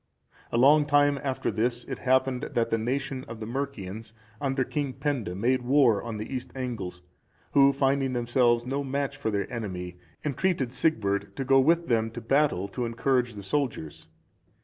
A long time after this, it happened that the nation of the Mercians, under King Penda, made war on the East Angles; who finding themselves no match for their enemy, entreated Sigbert to go with them to battle, to encourage the soldiers.